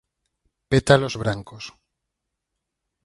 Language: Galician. Pétalos brancos.